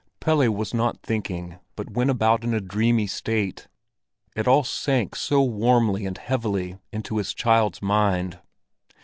Pelle was not thinking, but went about in a dreamy state; it all sank so warmly and heavily into his child's mind.